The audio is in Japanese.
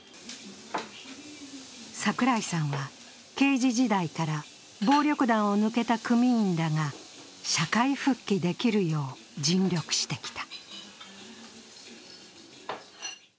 櫻井さんは刑事時代から、暴力団を抜けた組員らが社会復帰できるよう尽力してきた。